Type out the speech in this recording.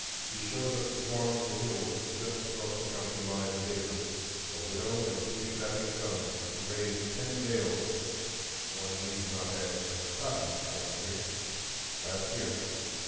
He shows us the farm of the Hills just across the county line in Baker,—a widow and two strapping sons, who raised ten bales (one need not add "cotton" down here) last year.